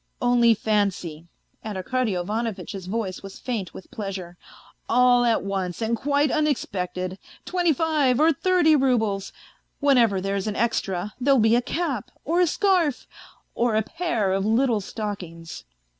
... Only fancy," and Arkady Ivanovitch's voice was faint with pleasure, "all at once and quite unexpected, twenty five or thirty roubles. ... When ever there's an extra, there'll be a cap or a scarf or a pair of little stockings.